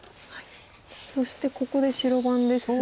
そしてここで白番ですが。